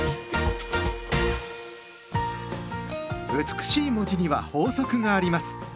美しい文字には法則があります。